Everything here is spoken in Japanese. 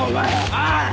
おい！